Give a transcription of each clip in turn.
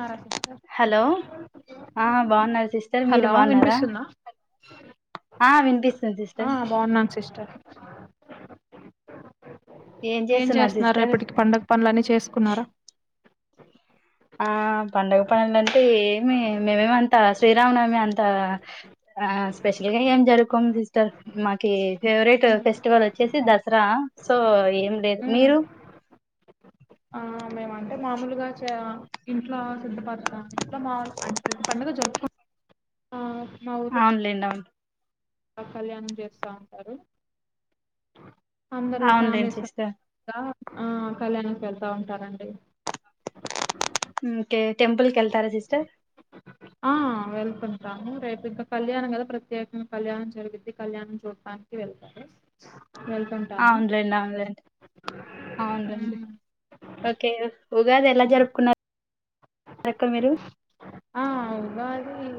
బాగున్నారా sister hello ఆ బాగున్నారు సిస్టర్ మీరు హలో బాగున్నారా వినిపిస్తుందా ఆ వినిపిస్తుంది ఆ సిస్టర్ బాగున్నాను సిస్టర్ ఏం చేస్తున్నారు రేపటికి పండుగ పనులన్న చేసుకున్నారా ఆ పండుగ శ్రీరామనమి అంత ఆ స్పెషల్ గా ఏం జరుపుకోము సిస్టర్ మాకి ఫేవరెట్ ఉమ్ ఫెస్టివల్ వచ్చేసి దసరా సో ఏం లేదు ఉమ్ మీరు ఆ మేమంటే మామూలుగా చే ఇంట్లో పండుగ ఆ మా ఊర్లో అవునులేండి అవును కళ్యాణం చేస్తా ఉంటారు అందరు అవునులేండి ఫ్యామిలీస్ సిస్టర్ కూడా ఆ కళ్యాణంకి వెళ్తా ఉంటారండి ఇంకేం టెంపల్ కెల్ వెళ్తారా సిస్టర్ ఆ వెళ్తుంటాను రేపు ఇంకా కళ్యాణం కదా ప్రత్యేకంగా కళ్యాణం జరిగుద్ది కళ్యాణం చూడటానికి వెళ్తారు వెళ్తుంటాము అవునులేండి అవునులేండి అవునులేండి ఉమ్ ఓకే ఉగాది ఎలా జరుపుకున్నారు ఎక్కడ మీరు ఆ ఉగాది అది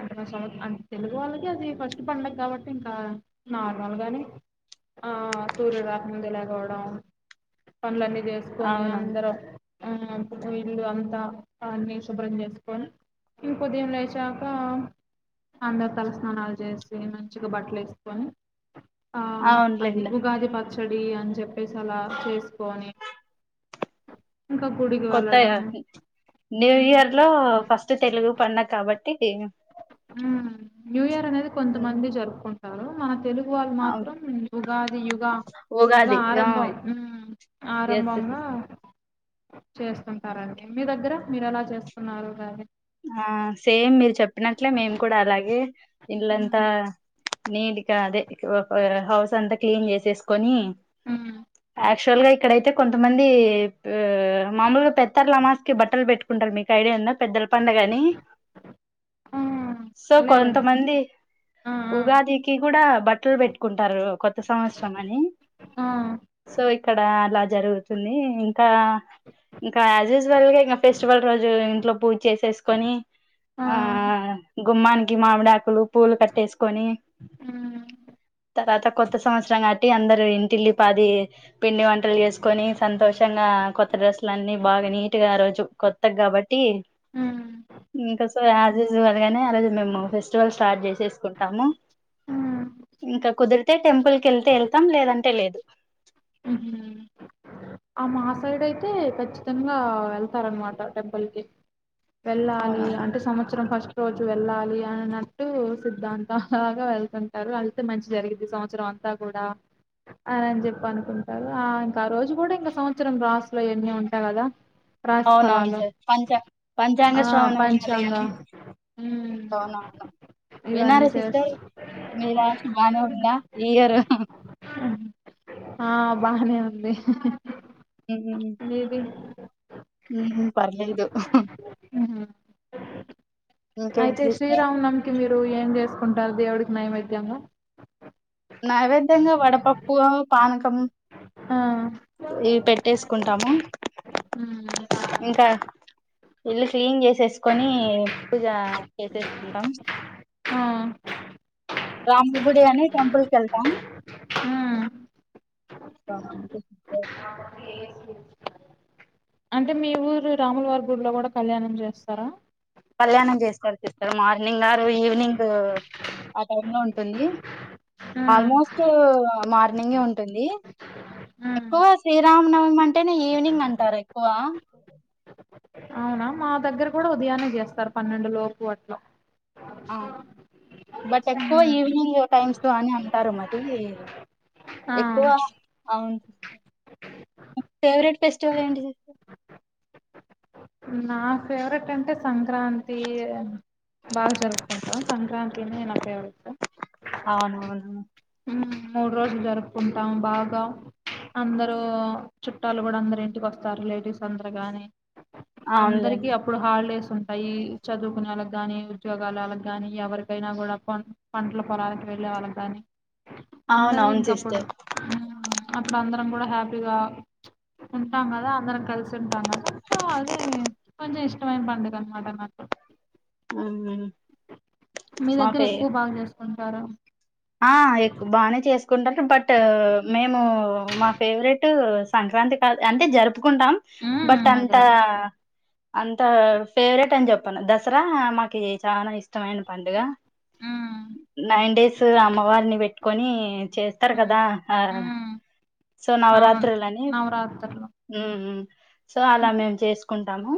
అంటే మా స అ తెలుగు వాళ్ళకి అది ఫస్ట్ పండుగ కాబట్టి ఇంకా నార్మల్గానే ఆ సూర్యుడు రాకముందే లెగవడం పన్లన్ని చేసుకొని అవునవును అందరం ఆ ఇల్లు అంతా అన్నీ శుభ్రం చేసుకొని ఇంకొదిన లేచాక అందరు తలస్నానాలు చేసి మంచిగా బట్టలు వేసుకొని ఆ అది అవునులేండి ఉగాది పచ్ పచ్చడి అని చెప్పేసి అలా చేసుకోని ఇంకా గుడికి వెళ్ళడం కొత్త న్యూ ఉమ్, ఇయర్ లో ఫస్ట్ తెలు తెలుగు పండుగ కాబట్టి ఉమ్ న్యూ ఇయర్ అనే కొంతమంది జరుపుకున్ వాళ్ళు మనకి తెలుగు వాళ్ళు మాత్రం ఉగాది యుగ యుగ ఉగాది ఆ ఆరంభం ఉ ఎస్ ఆరంభంగా చేస్తుంటారండి మీ దగ్గర మీరు ఎలా చేసుకున్నారు ఉగాది ఆ సేమ్ మిర్ చెప్పినట్లే మేము కూడా అలాగే ఇళ్లంతా ఉమ్ నీటిగా అదే ఒక హౌస్ అంతా క్లీన్ చేసేసుకొని యాక్చువల్ గా ఇక్కడైతే కొంతమంది మామూలుగా పెత్తర్లమాస్కి బట్టలు పెట్టుకుంటారు మీకు గైడ పండగని ఉమ్ సో లేదండి కొంతమంది ఆ ఆ ఉగాదికి కూడా బట్టలు పెట్టుకుంటారు కొత్త సంవత్సరం అని ఆ సో ఇక్కడ అలా జరుగుతుంది ఇంకా ఇంకా ఇంకా యాజ్ యూజువల్గా ఇంకా ఫెస్టివల్ రోజు ఇంట్లో పూజ చేసి కొని ఆ గుమ్మానికి మామిడా ఆకులు పూలు కట్టేసుకొని ఆ తర్వాత కొత్త సంవత్సరం కాట్టి అందరుూ ఇంటిల్లి పాది పిండి వంటలు చేసుకొని సంతోషంగా కొత్త డ్రెస్సులు అన్నిీ బాగా నీట్గా రోజు కొత్త కాబట్టి ఆ ఇంకా సో యాజ్ యూజువల్ గానే ఆ రోజు మేము ఫెస్టివల్ స్టార్ట్ చేసేసుకుంటాము ఉమ్ ఇంకా కుదిరితే టెంపుల్ క వెళ్తే వెళ్తాం లేదంటే లేదు ఆ మా సైడ్ అయితే ఖచ్చితంగా వెళ్తారనమాట టెంపుల్ కి వెళ్ళాలి అవునవును అంటే సంవత్సరం ఫస్ట్ రోజు వెళ్ళాలి అన్నట్టు సిద్ దాంతాలాగా వెళ్తుంటారు వెళ్తే మంచి జరిగింది ఈ సంవత్సరం అంతా కూడా అ అని చెప్పాను అంటారు ఆ ఇంకా ఆ రోజు కూడా ఇంకా సంవత్సరం రాసులో ఇవన్నీ ఉంటాయి కదా రాశి అవునవును ఫలాలు సార్ పంచా పంచాంగ ఆ శ్రావణ వినాలి పంచాంగ అని ఉమ్ అవునవును ఇవన్నీ వినాలి చేస్త సిస్టర్ మీ రా బాగానే ఉందా ఈయరు ఆ బానే ఉంది మిది ఉ పర్లేదు ఉహు. ఇంకేంటి అయితే సిస్టర్ శ్రీరామ్ నవమి కి మీరు ఏం చేస్త కొంటారు దేవుడికి నైవేద్యము నైవేద్యం గా వడ పప్పువ పా ఆ ఇవి పెట్టేసుకుంటాము ఉమ్ ఇంకా ఇల్లు క్లీన్ చేసేసుకొని పూజ చేసేసుకుంటాం ఆ రామ్ గుడి అని టెంపుల్కి వెళ్తాం ఉమ్ ఆ ఏ అ అంటే మీ ఊరు రాములవారి గుడ్లో గూడా కళ్యాణం చేస్తారా కళ్యాణం చేసుకనిపిస్తారు మార్నింగ్ నారు ఈవినింగ్ ఆ టైంలో ఉంటుంది ఆల్మోస్ట్ మార్ ఈవెనింగే ఉంటుంది. ఎక్కువ శ్రీరామనవమి అంటేనే ఈవినింగ్ అంటారు ఎక్కువా మా దగ్గర కూడా ఉదయాన్నే చేస్తారు పన్నెండు లోపు అట్ల బట్ ఎక్కువ ఈవినింగ్ టైమ్స్ అని అంటారు మరీ ఆ ఎక్కువ అవును ఫెవరెట్ ఫెస్టివల్ ఏంటి సిస్టర్ నా ఫేవరెట్ అంటే సంక్రాంతీ బాగా జరుపుకుంటాం సంక్రాంతినే నా ఫేవరేటా అవునవును. మూడు రోజులు జరుపుకుంటాము బాగా అందరూ చుట్టాలు గుడా అందరు ఇంటికి వస్తారు రిలేటివ్స్ అందరు గాని అందరికి అవునులేండి అప్పుడు హాలిడేస్ ఉంటాయి చదువుకునే వాళ్ళకి గాని ఉద్యోగాలు వాళ్ళకి గాని ఎవరికైనా గూడా పంటల పొలాలకి వెళ్ళే వాళ్ళకి గాని అందరు అవునవును ఇంకప్పుడు సిస్టర్ అప్పుడు అందర్ మనం గుడా హ్యాపీగా ఉంటాం కదా అందరం కలిసి ఉంటాం కదా సో అదే కొంచం ఇష్టమైన పండుగ అన్నమాట నాకు మ్మ్ మీ మా దగ్గర ఫే ఎక్కువ బాగా చేసుకుంటారా ఆ ఎక్కొ బాగానే చేస్ కుంటారు. బట్ మేము మా ఫేవరెట్ సంక్రాంతికా అంటే జరుపు కుంటాం బట్ ఉమ్, అదే అంతా అదే అంత ఫేవరెట్ అని చెప్పను దస్ దసరా మాకి చానా ఇష్ ఇష్టమైన పండుగ ఉమ్, నైన్ డేస్ అమ్మవారిని పెట్టుకొని చేస్తారు కదా ఉమ్, ఉమ్, సో అవును నవరాత్రులని నవరాత్రులు సో అలా మేము చేస్ కుంటాము.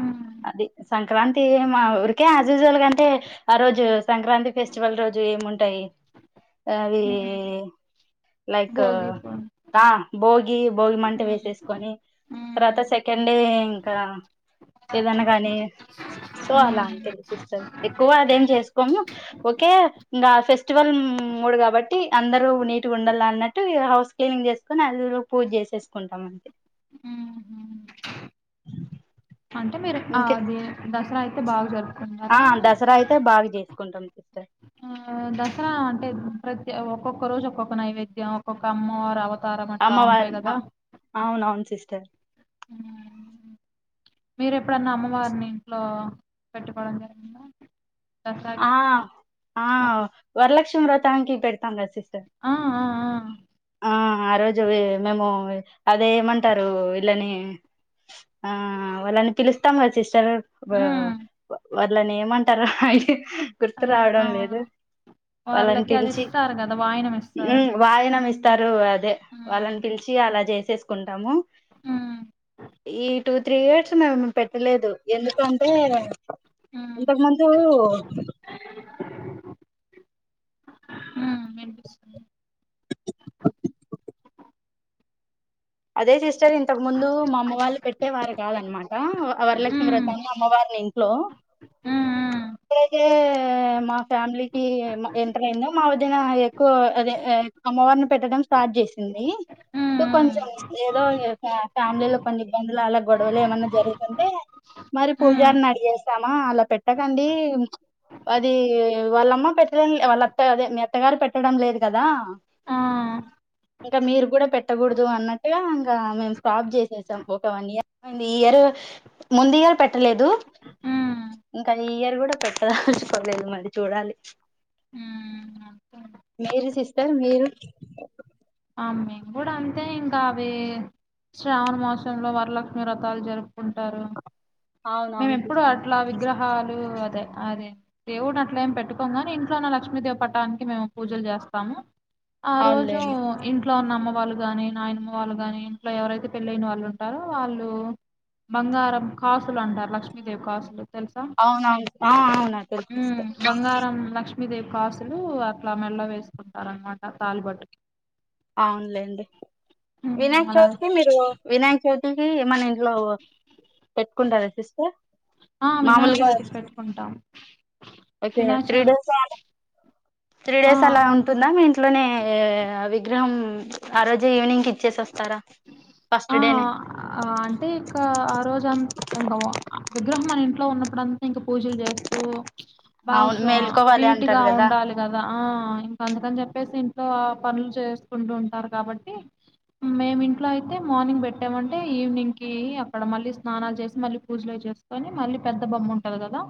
ఉమ్, అది సంక్రాంత్ తి మా ఊరికే ఆస్యువల్ కంటే ఆ రోజు సంక్రాంతి ఫెస్టివల్ రోజు ఏమున్ ఉంటాయి. అవి ఉమ్, లైక్ భోగి పండుగ. ఆ భోగి భోగి మంట ఉమ్, వేసేస్కొని తర్వాత ఉమ్, సెకండే ఇంకా ఏదన్న కానీ సో అలా అంటే ఉమ్, సిస్టర్ ఎక్కువ అదేం చేసుకోము ఓకే ఇంకాస్ ఫెస్టివల్ మూడు కాబట్టి అందరుూ నీటిగా ఉండాల అన్నట్టు హౌస్ క్మింగ్ చేసుకుొని అ పూజ చేసేసుకుంటాం అంటే ఆ అంటే మ ఇంకే ఆద దస్ అలా అయి బాగా జరుతుంది ఆ దసరా అయితే బాగా చేస్ కుంటాం తెటే ఆ దసరా అంటే ప్రతి ఒక్కొక్క రోజు ఒక్కొక్క నైవేద్యం ఒక్కొక్క అమ్మర్ అవ అమ్మవారు అవును అవును సిస్టర్ [inaudible] మీరు ఎప్పుడన్నా అమ్మవారిని ఇంట్లో పెట్టుకోవడం జరిగిందా? దసరాకి ఆ ఆ వరలక్ష్మి వ్రతానికి పెడతాం గా సిస్ ఆ ఆ ఆ ఆ ఆ రోజు మేము అదే ఏమంటారు వీళ్ళని ఆ వాళ్ళని పిలుస్తాముగా సిస్ వా ఉమ్ వాళ్ళని ఏమంటరు? హాయి గుర్తు అదే రావడం అవును లేదు వాళ్ళని వాళ్ళకి అది పిలిచి ఇస్తారు కదా వాయినం ఇస్తారు హ్మ్ వాయనం ఇస్ తరువా అదే వాళ్ళని ఉమ్ పిలిచి అలా చేసి చేసుకుంటాము ఉమ్ ఈ టూ త్రీ ఇయర్స్ మరి మేం పె లేదు ఎందుకంటే ఉమ్ ఇంతకు ముందూ హ్మ్ వినిపిస్తుం అదే సిస్టర్ ఇంతకు ముందు మా అమ్మ వాళ్ళు పెట్టేవారు కాదన్నమాట వరలక్ష్మి ఉమ్ వ్రతాన్ని అమ్మవారిని హలో ఉమ్ [unintelligible] ఆ మా ఫ్యామిలీకి ఎంటర్ అయింద మా వదిన ఎక్కువ అదే అమ్మవారిని పెట్టడం స్టార్ట్ చేసింది ఉమ్ సో కొంచెం ఉమ్ ఏదో ఫ్యామిలీలో కొన్ని ఇబ్బందులు అలా గొడవలు ఏమన్నా జరిగి అంటే మరి ఉమ్ పూజారిని అడిగేస్ రమా అలా పెట్టకండి అది వాళ్ళమ్మ పెట్టలే వాళ్ళ అత్తదే మీ అత్తగారు పెట్టడం లేదు కదా ఆ ఇంకా మీరు కూడా పెట్టకూడదు అన్నట్ ఇగ ఇంకా మేము స్టాప్ చేసేసాం ఒక వన్ ఇయర్ ఈ ఇయర్ ముందు ఇయర్ పెట్టలేదు ఉమ్ ఇంకా ఈ ఇయర్ కూడా పెట్టదలుచుకోలేదు మరి చూడాలి ఉమ్ అంతే మీరు సిస్టర్ మీరు ఆ మేము కూడా అంతే ఇంకా అవి శ్రావణ మాసంలో వరలక్ష్మి వ్రతాలు జరుపు ఉంటారు మేము అవునవును ఎప్పుడు సిస్టర్ అట్లా విగ్రహాలు అదే అదే దేవుడు అట్లా ఏం పెట్టుకోము గాని ఇంట్లో ఉన్న లక్ష్మీదేవి పటానికి మేము పూజలు చేస్తాము ఆ రోజు అవునులేండి ఇంట్లో ఉన్న అమ్మ వాళ్ళు గాని నాయనమ్మ వాళ్ళు గాని ఇంట్లో ఎవరైతే పెళ్ళయిన వాళ్ళు ఉంటారో వాళ్ళు బంగారం కాసులు అంటారు లక్ష్మీదేవి కాసులు తెలుసా అవునవును అవునా కనిపిస్తా మీద కాసులు అట్లా మెల్లొ వేసుకుంటారు అనమాట తాలిబోట్టుకి అవునులేండి వినాయక అలా చవితికి మీరు వినాయక చవితికి మన ఇంట్లో పెట్టుకుంటారా సిస్టర్ ఆ వినాయ మామూలుగా చవితికి పెట్టుకుంటాం ఓకే త్రీ వినాచవితి డేస్ త్రీ డేస్ అలా ఉంటుందా మీట్ పుల్ల నే అవ్వి విగ్రహం ఆ రోజే ఈవినింగ్ కి ఇచ్చేసి వస్తారా ఫస్ట్ ఆ డేనే అంటే ఇంకా ఆ రోజంతా ఇంకా విగ్రహం మన ఇంట్లో ఉన్నప్పుడంతా ఇంకా పూజలు చేస్తూ అవును బాగుసు ఆ మేల్కోవాలి నీట్ గా అంటారు కదా ఉండాలి కదా ఆ ఇంకా అందుకని చెప్ పేస్ ఇంట్లో పనులు చేసుకుంటూ ఉంటారు కాబట్టి మేము ఇంట్లో ఐ అయితే మార్నింగ్ పెట్టామంటే ఈవినింగ్ కి అక్కడ మళ్ళీ స్నానాలు చేసి మళ్ళీ పూజలు చేసుకొని మళ్ళీ పెద్ద బొమ్మ ఉంటది కదా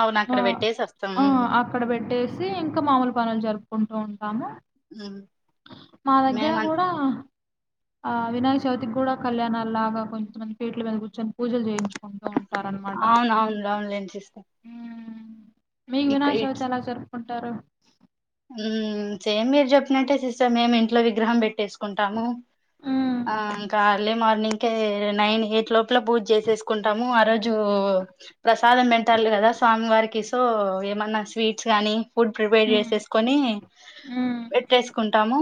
అవును ఆ అక్కడ పెట్టేసి వస్తాం ఆ అక్కడ పెట్టేసి ఇంకా మామూలు పనులు జరుపుకుంటూ ఉ రాము మా దగ్గర మేము కూడా ఆ అ వినాయక చవితికి కూడా కళ్యాణాల లాగా కొంచెమంది పీట్లు మీద కూర్చొని పూజలు చేయించుకుంటూ ఉంటారన్నమాట అవును అవును అవునులేండి సిస్టర్ ఉ మీగ్ ఇక్క వినాయకచవితి ఎలా జరుపు కుంటారు ఉ సేమ్ మీరు చెప్పినట్టే సిస్టర్ మేము ఇంట్లో విగ్రహం పెట్టేసుకో కుంటాము ఉమ్ ఆ ఇంకా ఎర్లీ మార్నింగ్ నిన్కే నైన్ ఎయిట్ లోపల పూజు చేసేసుకుంటాము ఆ రోజు ప్రసాదం పెంటాలి కదా స్వామి వారికి కి సో ఏమన్నా స్వీట్స్ గానీ ఫుడ్ ప్రిపేర్ ఉమ్ చేసస్ పెట్టేసుకుంటాము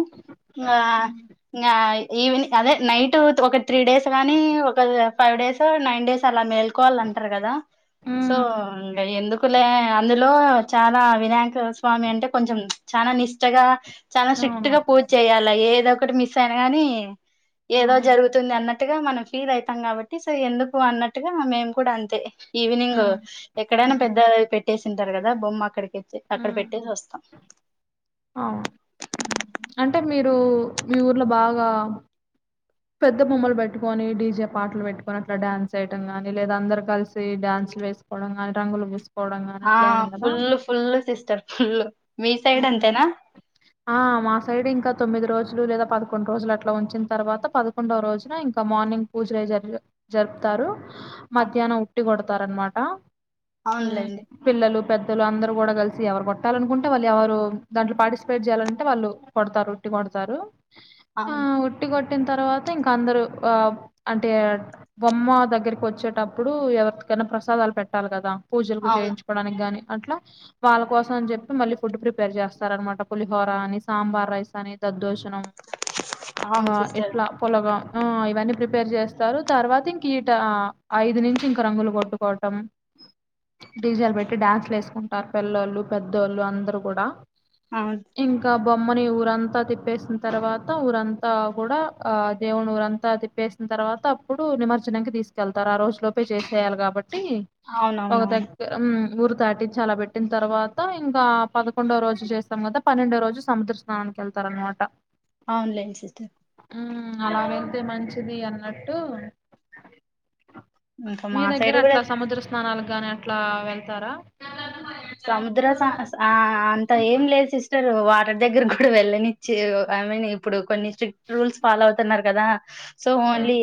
ఉమ్ అదే నైట్ ఒక త్రి డేస్ కానీ ఫైవ్ డేస్ నైన్ డేస్ అలా మేల్కోవాలి అంటారు కదా ఉమ్ సోం ఎందుకులే అందులో చాలా వినాయక స్వామి అంటే కొంచం చాలా నిష్టగా చాలా స్ట్రిక్ట్ అవును గా పూజ చేయ్యాల ఏదో ఒకటి మిస్ అయిన గాని ఆ ఏదో జరుగుతుంది అన్నట్ అట్గా మనం ఫీల్ అవుతాం కాబట్టి సో ఎందుకు అన్నట్టుగా మేము కూడా అంతే ఈవినింగ్ ఉమ్ ఎక్కడైనా ఉమ్ పెద్ద పెట్ పెట్టేసి ఉంటారు కదా బొమ్మ అక్కడికి వెళితే అక్కడ ఉమ్ పెట్టేసి వస్తా అంటే మీరు మీ ఊర్లో బాగా పెద్ద బొమ్మలు పెట్టుకొని డీజే పాటలు పెట్టుకుని అట్లా డాన్స్ చేయడం కాని లేదా అందరు కలిసి డాన్స్లు వేసుకోవడం గాని రంగులు పూసు ఆ ఫుల్లు ఫుల్లు సిస్టర్ ఫుల్లు మీ సైడ్ హ్మ్. అంతేనా ఆ మా సైడ్ ఇంకా [unintelligible] లేదా పదకొండు రోజులు అట్లా ఉంచిన తర్వాత పదకొండో రోజున ఇంకా మార్నింగ్ పూజలు అయి జరి జరుపుతారు ఆ, మధ్యాహ్నం ఉట్టి కొడత్ తారనమాట అవునులేండి ద్దలు అందరూ కూడా కలిసి ఎవరు కొట్టాలనుకుంటే వాళ్ళు ఎవరు దాంట్లో పార్టిసిపేట్ చేయాలంటే వాళ్ళు కొడతారు ఉట్టి కొడతారు. అ కొట్టిన తర్వాత ఇంకా అందరూ అంటే బొమ్మా దగ్గరికి వచ్చేటప్పుడు ఎవరికైనా ప్రసాదాలు పెట్టాలి కదా పూజలకు అవును చేయించుకోవడానికి గాని అట్లా వాళ్ళ కోసం అని చెప్పి మళ్ళీ ఫుడ్ ప్రిపేర్ చేస్తారనమాట పులిహోర అని సాంబార్ రైస్ అని దద్దోజ్ ఆ అవును ఎ సిస్టర్ పులగం హ్మ్ ఇవన్నీ ప్రిపేర్ చేస్తారు తర్వాత ఇంక ఈట ఐదు నుంచి ఇంక రంగులు కొట్టుకోటం డీజేలు పెట్టి డ్యాన్స్లు వేసుకుంటారు పిల్లోళ్ళు పెద్దోళ్ళు అందరూ కూడా అవును ఇంకా బొమ్మని ఊరంతా తిప్పేసిన తర్వాత ఊరంతా కూడా ఆ దేవునిఊరంతా తిప్పేసిన తర్వాత అప్పుడు నిమజ్జనానికి తీసుకెళ్తారు ఆ రోజు లోపే చేసేయాలి కాబట్ ఒక అవునవునవును దగ్గ హ్మ్ ఊరు తాటించి అలా పెట్టిన తర్వాత ఇంకా పదకొండో రోజు చేస్తాం కదా, పన్నెండో రోజు సముద్ర స్నానానికి వెళ్తార్ అనమాట. అవ్న్లేండి సిస్టర్ హ్మ్ అలాగేల్తే మంచిది అన్నట్టు ఇంకా మీ మా దగ్గర సైడ్ కూడా అట్లా సముద్ర స్నానాలు గాని అట్లా వెళ్తారా సముద్ర స ఇప్పుడు వాటర్ దగ్గర కూడా వెళ్ళనిచ్చి ఐ మీన్ ఇప్పుడు కొన్ని స్ట్రీట్ రూల్స్ ఫాలో అవ్తున్నారు కదా సో ఉమ్, ఓన్లీ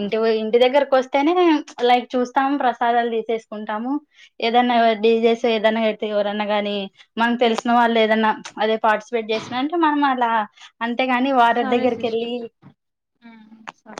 ఇంటి ఇంటి దగ్గర వస్తేనే ప్చ్ లైక్ చూస్తాం ప్రసాదాలు దీసేసుకున్టాము ఏదైనా డిజెస్ ఏదన్నా పెడితే ఎవరన్నా గాని మనకి తెలిసిన వాళ్ళు ఏదన్నా ప్చ్ అదే పార్టిసిపేట్ చేస్తానంటే మనం అట్లా అంతేగాని వారధి సరే దగ్గరికి వెళ్ళి సిస్టర్ ఉమ్, సరే